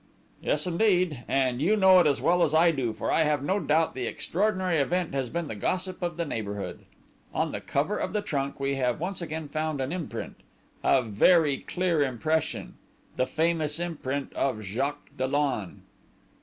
"Yes, indeed! And you know it as well as I do, for I have no doubt the extraordinary event has been the gossip of the neighbourhood. On the cover of the trunk we have once again found an imprint, a very clear impression the famous imprint of Jacques Dollon!..."